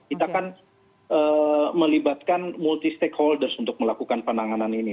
kita kan melibatkan multi stakeholders untuk melakukan penanganan ini